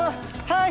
はい！